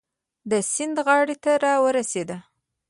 د سیند غاړې ته را ورسېدو.